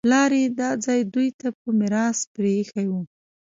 پلار یې دا ځای دوی ته په میراث پرېښی و